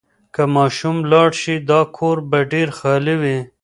که ماشوم لاړ شي، دا کور به ډېر خالي وي.